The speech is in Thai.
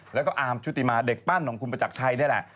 แล้วก็อาร์มชุติมาเด็กปั้นของคุณประจักรชัยนี่แหละ